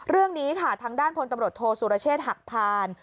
เรื่องนี้ค่ะทางด้านพลตำรวจโทษสุรเชษฐ์หักพาน